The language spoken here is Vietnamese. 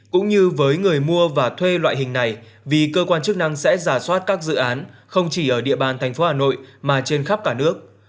không chỉ ở địa bàn tp hà nội mà trên khắp cả nước